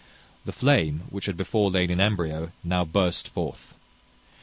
The flame, which had before lain in embryo, now burst forth.